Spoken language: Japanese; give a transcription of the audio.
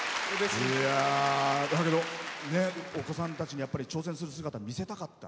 だけど、お子さんたちに挑戦する姿、見せたかった。